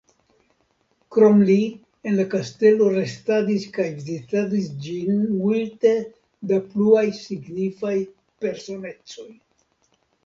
Krom li en la kastelo restadis kaj vizitadis ĝin multe da pluaj signifaj personecoj.